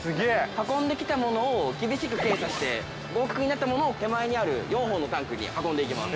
運んできたものを厳しく検査して、合格になったものを手前にある４本のタンクに運んでいきます。